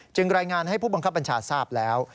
รายงานให้ผู้บังคับบัญชาทราบแล้ว